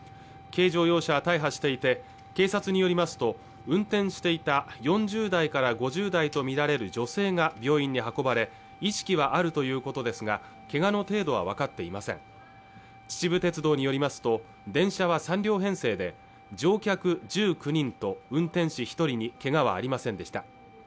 軽乗用車は大破していて警察によりますと運転していた４０代から５０代とみられる女性が病院に運ばれ意識はあるということですがけがの程度は分かっていません秩父鉄道によりますと電車は３両編成で乗客１９人と運転士一人にけがはありませんでした